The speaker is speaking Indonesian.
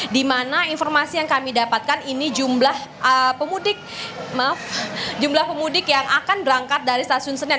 dimana informasi yang kami dapatkan ini jumlah pemudik yang akan berangkat dari stasiun senen